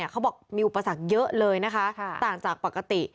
เขาบอกมีอุปสรรคเยอะเลยนะคะต่างจากปกติ